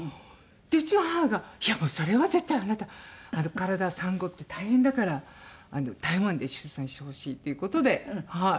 うちの母が「いやもうそれは絶対あなた体産後って大変だから台湾で出産してほしい」っていう事ではい。